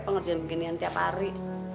pengerjain beginian tiap hari